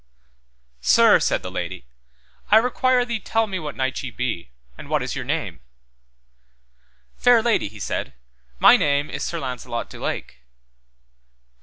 Sir, said the lady, I require thee tell me what knight ye be, and what is your name? Fair lady, he said, my name is Sir Launcelot du Lake.